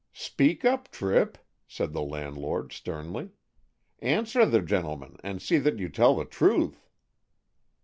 "Speak up, Tripp," said the landlord sternly. "Answer the gentleman, and see that you tell the truth."